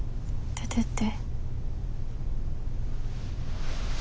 出てって。